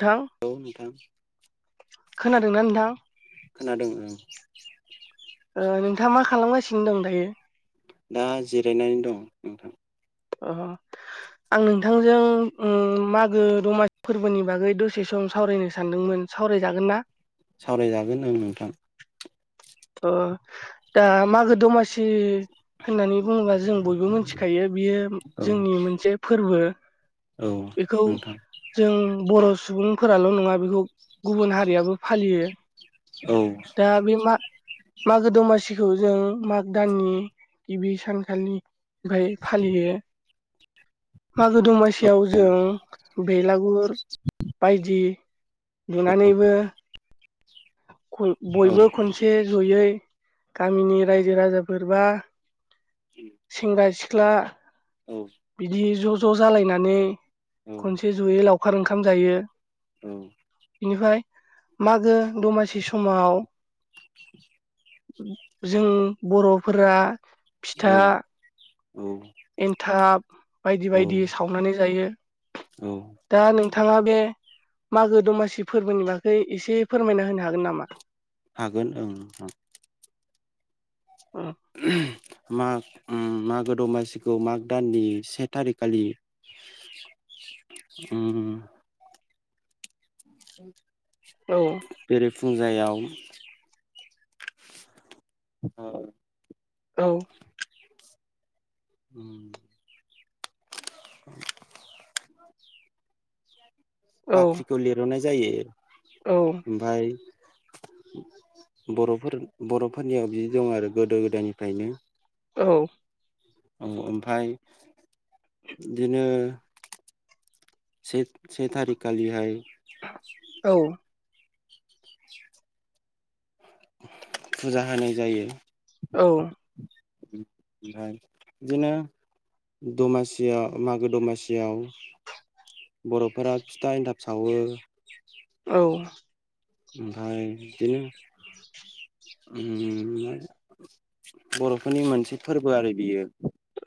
नोंथां औ नोंथां। खोनादोंना नोंथां। खोनादों ओं। नोंथाङा मा खालामगासिनो दं दायो? दा जिरायनानै दं नोंथां। अ। आं नोंथांजों मागो दमासि फोरबोनि बागै दसे सम सावरायनो सानदोंमोन। सावराय जागोनना। सावराय जागोन ओं नोंथां। अ दा मागो दमासि होननानै बुङोब्ला जों बयबो मोनथिखायो बियो औ जोंनि मोनसे फोरबो। औ बेखौ नोंथां जों बर' सुबुंफोराल' नङा बेखौ गुबुन हारियाबो फालियो औ दा बे मा मागो दमासिखौ जों माग दाननि गिबि सानखालिनि ओमफाय फालियो मागो दमासियाव औ जों। औ बेलागुर बायदि लुनानैबो औ बयबो खनसे जयै गामिनि रायजो राजाफोर बा सेंग्रा सिख्ला। बिदि ज' ज' जालायनानै खनसे जयै लावखार ओंखाम जायो। औ। बेनिफ्राय मागो दमासि समाव। जों बर'फोरा फिथा औ एन्थाब बायदि औ बायदि सावनानै जायो। औ दा नों थाङा बे मागो दमासि फोरबोनि बागै एसे फोरमायना होनो हागोन नामा? हागोन ओं। उम। माग उम मागो दमासिखौ माग दाननि से थारिखालि उम [unintelligible] औ। फुंजायाव [unintelligible] औ। उम। [unintelligible] औ बाख्रिखौ लिर'नाय जायो। औ ओमफाय बर'फोर बर'फोरनियाव बिदि दं आरो गोदो गोदायनिफ्रायनो। औ। औ ओमफ्राय बिदिनो से से थारिखालिहाय औ। फुजा होनाय जायो। औ। [unintelligible] बिदिनो दमासिया मागो दमासियाव बर'फोरा फिथा एन्थाब सावो। औ। ओमफ्राय बिदिनो उम बर'फोरनि मोनसे फोरबो आरो बियो।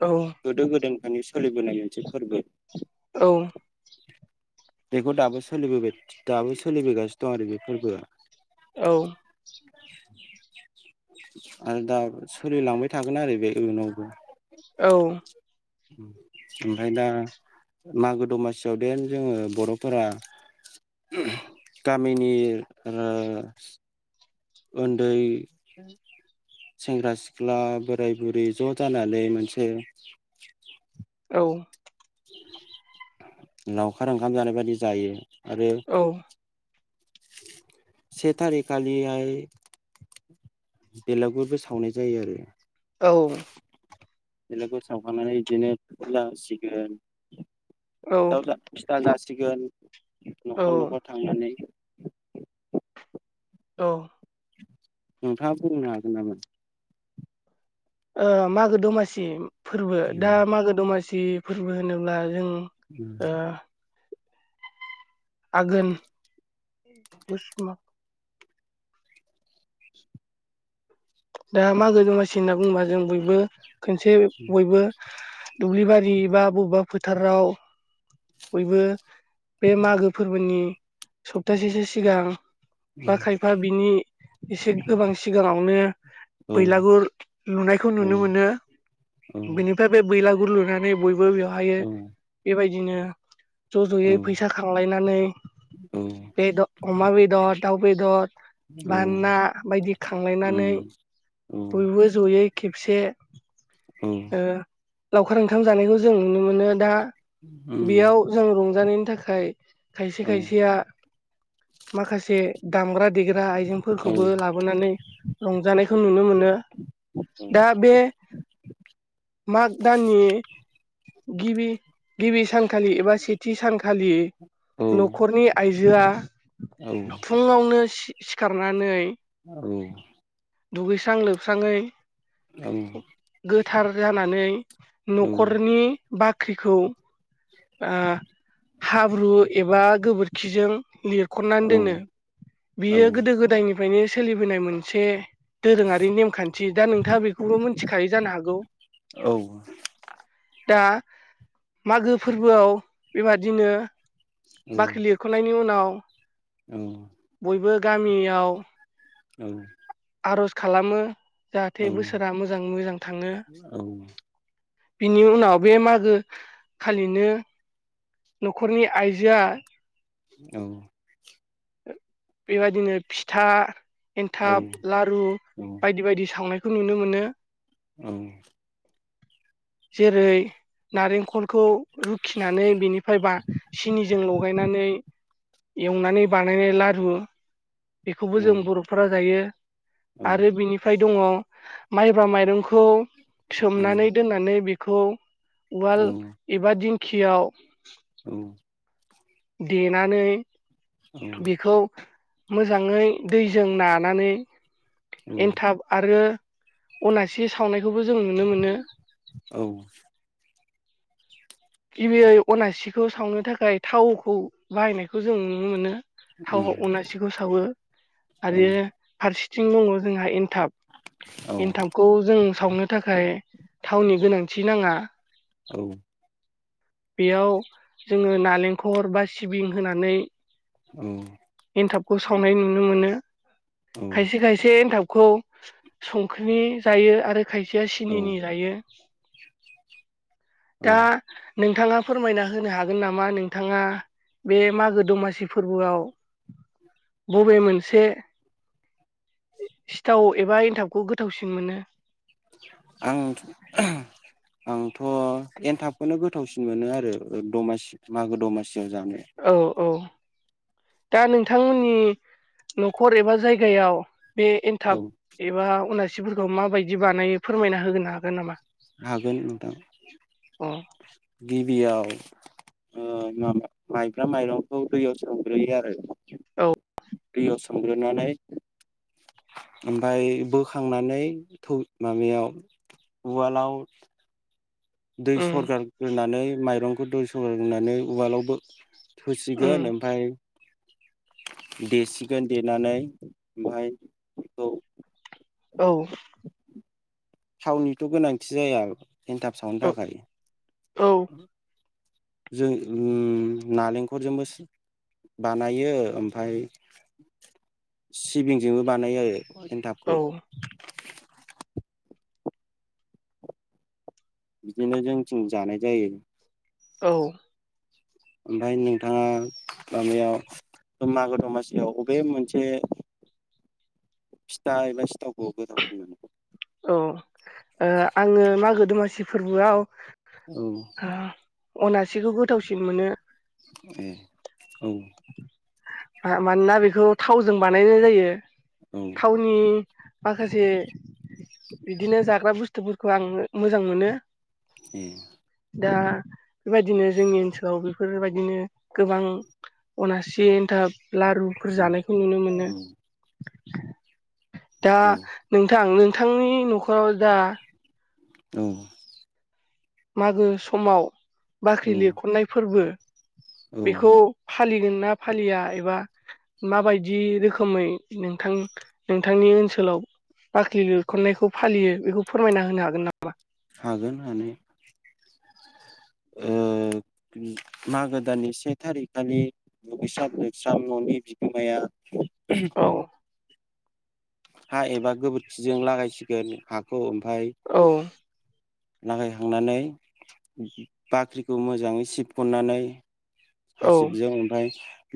औ गोदायनिफायनो सोलिबोनाय मोनसे फोरबो। औ। बेखौ दाबो सोलिबोबाय दाबो सोलिबोगासिनो दं आरो बे फोरबोआ औ। आरो दा सोलिलांबाय थागोन आरो बे इउनावबो। औ। उम ओमफ्राय दा मागो दमासियाव देन जोङो बर'फोरा [unintelligible] गामिनि ओ उन्दै सेंग्रा सिख्ला बोराय बुरै ज' जानानै मोनसे औ। लावखार ओंखाम जानाय बायदि जायो आरो से थारिक खालिहाय बेलागुरबो सावनाय जायो आरो। औ। बेलागुर सावखांनानै बिदिनो खेला होसिगोन। औ सिथाव [unintelligible] फिथा जासिगोन न'खर न'खर थांनानै। औ। नोंथांङा बुंनो हागोन नामा? ओ मागो दमासि फोरबो औ दा मागो दमासि फोरबो होनोब्ला जों ओ। आघोन फुसमा दा मागो दमासि होनना बुंङोबा जों बयबो खनसे बयबो दुब्लि बारि बा बबेबा फोथाराव बयबो बे मागो फोरबोनि सप्तासेसो सिगां बा खायफा बिनि एसे गोबां सिगांङावनो बैलागुर लुनायखौ औ नुनो मोनो औ बेनिफ्राय बे बैलागुर गुर लुनानै बयबो बेवहाय औ बेबायदिनो ज' औ ज'यै फैसा खांलायनानै औ बेदर अमा बेदर दाउ बेदर बा ना बायदि खांलायनानै उम औ बयबो जयै खे खौसे उम औ औ लावखार ओंखाम जानायखौ जों नुनो मोनो दा बेयाव जों रंजानायनि थाखाय खायसे खायसेया माखासे दामग्रा देग्रा आइजेंफोरखौबो लाबोनानै रंजानायखौ नुनो मोनो दा बे माग दाननि गिबि गिबि सानखालि एबा सेथि सानखालि न'खरनि आइजोआ फुंङावनो सिखारनानै औ दुगैस्रां लोबस्राङै औ गोथार जानानै आं न'खरनि बाख्रिखौ ओ हाब्रु एबा गोबोरखिजों लिर खननानै दोनो आंथ' बियो गोदो गोदायनिफ्रायनो सोलिबोनाय मोनसे दोरोंङारि नेमखान्थि दा नोंथांङा बेखौबो मिथिखायो जानो हागौ दा मागो फोरबोआव बेबादिनो बाख्रि लिरख'नायनि उनाव औ बयबो गामियाव औ आर'ज खालामो जाहाथे बोसोरा मोजांङै मोजां थांङो बिनि उनाव बे मागो खालिनो न'खरनि आइजोआ औ‌ बेबायदिनो फिथा एन्थाब लारु बायदि बायदि सावनायखौ नुनो मोनो। औ जेरै नारेंखल खौ रुखिनानै बेनिफ्राय बा सिनिजों लगायनानै एवनानै बानायनाय लारु बेखौबो जों बर'फोरा जायो आरो बिनिफ्राय दंङ माइब्रा माइरंखौ सोमनानै दोननानै बेखौ उवाल एबा दिंखियाव देनानै बेखौ मोजाङै दैजों नानानै एनथाब आरो अनासि सावनायखौबो जों नुनो मोनो। गबियै अनासिखौ सावनो थाखाय थाव खौ बाहायनायखौ जों नुनो मोनो थाव अनासिखौ सावो आरो फारसेथिं दङ जोंहा थाब एन्थाबखौ जों सावनो थाखाय थावनि गोनांथि नाङा बेयाव जोङो हरबा सिबिं होनानै औ एथाबखौ सावनाय नुनो मोन खायसे खायसे एनथाब खौ संख्रि जायो आरो खायसेया सिनिनि जायो दा नोंथाङा फोरमायना होनो हागोन नामा नोंथाङा बे मागो दमासि फोरबोआव बबे मोनसे सिथाव एबा एनथाबखौ गोथावसिन मोनो। आं आंथ' एनथाबखौनो गोथावसिन मोनो आरो दमासि मागो दमासि औ - औ। दा नोंथांमोननि न'खर एबा जायगायाव बे औ एनथाब एबा उनासिफोरखौ माबायदि बानायो फोरमायना होगोनो हागोन नामा? हागोन नोंथां अ गिबियाव ओ मा--माइब्रा माइरंखौ दैयाव सोमग्रोयो आरो औ दैयाव सोमग्रोनानै ओमफ्राय बोखांनानै थौ माबायाव उवालद आव दै उम सरगारग्रोनानै माइरंखौ दै सरगारग्रोनानै उवालावबो उम थुसिगोन ओमफाय देसिगोन देनानै ओमाहाय बेखौ औ। थावनिथ' गोनांथि जाया एन्थाब सावनो थाखाय औ जों उम नालेंखरजोंबो बानायो ओमफाय सिबिंजोंबो बानायो आरो। औ एन्थाबखौ। बिदिनो जोंथिं जानाय जायो। औ। ओमफाय नोंथाङा माबायाव मागो दमासियाव बबे मोनसे फिथा एबा सिथावखौ गोथावमोनो औ ओ आङो मागो दमासि फोरबोआव औ अनासिखौ गोथावसिन मोनो ए औ। मानोना बेखौ थावजों बानायनाय जायो। औ थावनि माखासे बिदिनो जाग्रा बुस्थुफोरखौ आं मोजां मोनो। ए। दा बेबादिनो जोंनि ओनसोलाव बेफोरबायदिनो गोबां अनासि एन्थाब लारुफोर जानायखौ नुनो औ मोनो। दा नोंथां नोंथांनि न'खराव दा औ। मागो समाव बाख्रि लिरख'नाय फोरबो औ बेखौ फालिगोन नना फालिया एबा माबायदि रोखोमै नोंथां नोंथांनि ओनसोलाव बाख्रि लिरख'नायखौ फालियो बेखौ फोरमायना होनो हागोन नामा? हागोन हानाया। ओ मागो दाननि से थारिखखालि दुगैस्राब लोबस्राब न'नि बिगोमाया [inaudible] औ हा एबा गोबोरखिजों लागायसिगोन हाखौ ओमफाय औ लागायखांनानै बाख्रिखौ मोजाङै सिबखन्नानै औ हासिबजों ओमफाय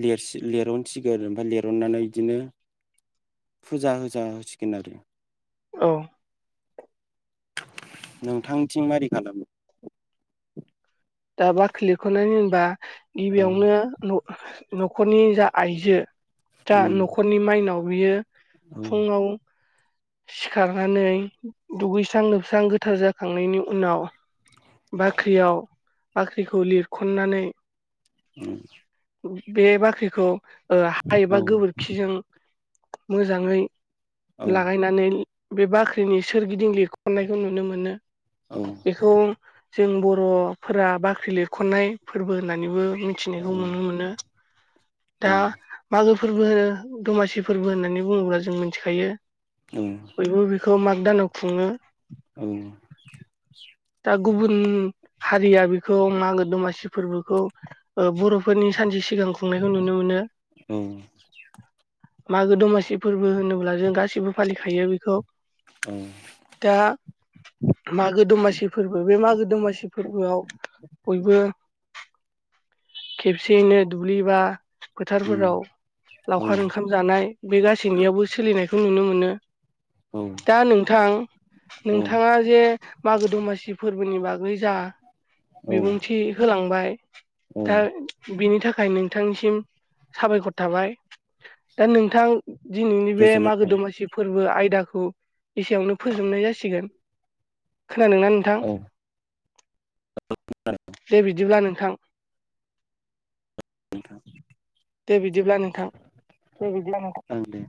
लिरहनसिगोन आरो ओमफ्राय लिरहनानै इदिनो फुजा हो जा होसिगोन आरो औ नोंथांथिं मोरै खालामो दा बाख्रि लिरख'नानै होनबा औ गिबियावनो न'खरनि जा आइजो दा उम न'खरनि माइनाव बियो औ फुङाव सिखारनानै दुगैस्रां लोबस्रां गोथार जाखांनायनि उनाव बाख्रियाव बाख्रिखौ लिरखन्नानै उम बे बाख्रिखौ ओ हा एबा गोबोरखिजों मोजाङै औ लागायनानै बे बाख्रिनि सोरगिदिं लिरखन्नायखौ नुनो मोनो औ बेखौ जों बर'फोरा बाख्रि लिरख'नाय फोरबो होननानैबो मिथिनायखौ नुनो मोनो दा मागो फोरबो होनो दमासि फोरबो होननानै होननानै बुङोब्ला जों मिथिखायो बयबो बेखौ माग दानाव खुङो औ दा गुबुन हारिया बेखौ मागो दमासि फोरबोखौ ओ बर'फोरनि सानसे सिगां सिगां खुंनायखौ नुनो मोनो औ मागो दमासि फोरबो होनोब्ला जों गासिबो फालिखायो बेखौ औ दा मागो दमासि फोरबो बे मागो दमासि फोरबोआव बयबो खेबसेयैनो दुब्लिबा फोथारफोराव औ लावखार ओंखाम जानाय बे गासैनियावबो सोलिनायखौ नुनो मोनो दा नोंथां नोंथाङा जे मागो दमासि सि फोरबोनि बागै जा औ बिबुंथि होलांबाय औ दा बिनि था थाखाय नोंथांनिसिम साबायखर थाबाय दा नोंथां दिनैनि बे गोजोननाय मागो थाबाय दमासि फोरबो आइ दाखौ एसेयावनो फोजोबनाय जासिगोन खोनादोंना नोंथां [unintelligible] दे बिदिब्ला नोंथां [unintelligible] दे बिदिब्ला नोंथां दे बिदिब्ला नोंथां ओं दे